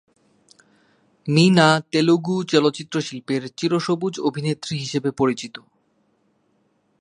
মীনা তেলুগু চলচ্চিত্র শিল্পের 'চিরসবুজ অভিনেত্রী' হিসেবে পরিচিত।